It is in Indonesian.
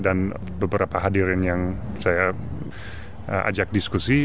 dan beberapa hadirin yang saya ajak diskusi